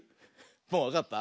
もうわかった？